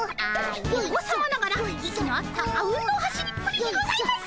お子さまながら息の合ったあうんの走りっぷりにございます！